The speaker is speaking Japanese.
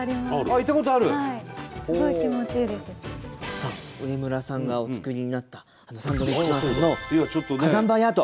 さあ植村さんがお作りになったサンドウィッチマンさんの火山灰アート。